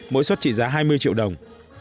mỗi suất trị giá hai mươi triệu đồng